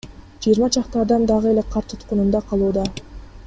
Жыйырма чакты адам дагы эле кар туткунунда калууда.